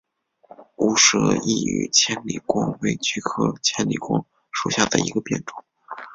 无舌异羽千里光为菊科千里光属下的一个变种。